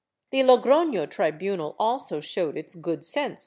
^ The Logroiio tribunal also showed its good sense.